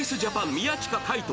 宮近海斗